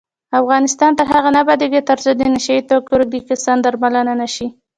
افغانستان تر هغو نه ابادیږي، ترڅو د نشه یي توکو روږدي کسان درملنه نشي.